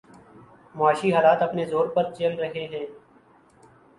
معاشی حالات اپنے زور پہ چل رہے ہیں۔